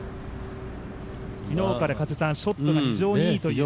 昨日からショットが非常にいいという。